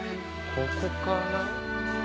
ここかな？